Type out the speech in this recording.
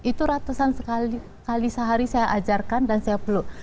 itu ratusan kali sehari saya ajarkan dan saya peluk